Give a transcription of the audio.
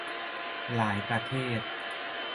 หลายประเทศ